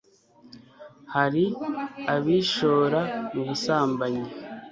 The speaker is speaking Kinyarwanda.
hari abishora mu busambanyi